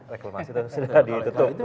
reklamasi itu sudah ditutup